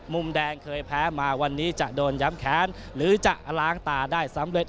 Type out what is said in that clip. มุมแดงเคยแพ้มาวันนี้จะโดนย้ำแค้นหรือจะล้างตาได้สำเร็จ